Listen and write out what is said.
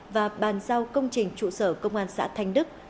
và bàn giao công trình trụ sở công an xã thanh đức